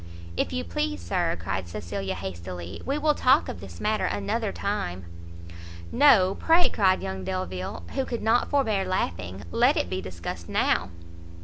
"If you please, Sir," cried Cecilia hastily, "we will talk of this matter another time." "No, pray," cried young Delvile, who could not forbear laughing, "let it be discussed now."